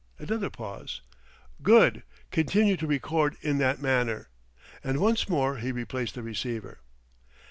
Another pause. "Good, continue to record in that manner;" and once more he replaced the receiver.